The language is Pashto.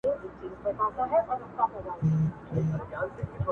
او ورته ویې ویل چي